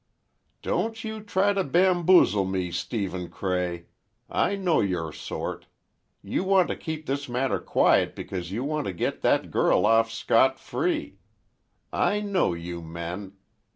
"Don't you try to bamboozle me, Stephen Cray! I know your sort. You want to keep this matter quiet because you want to get that girl off scotfree! I know you men!